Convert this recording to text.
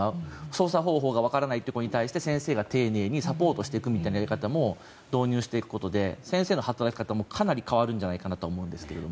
操作方法が分からない子に対して先生が丁寧にサポートしていくみたいなやり方を導入していくことで先生の働き方もかなり変わるんじゃないかと思うんですけど。